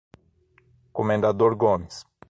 Comendador Gomes